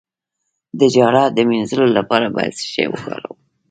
د جهالت د مینځلو لپاره باید څه شی وکاروم؟